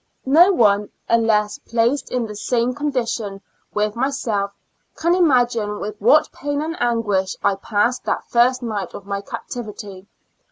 No one, unless placed in the same condi tion with myself, can imagine with what pain and anguish I passed that first night of my captivity.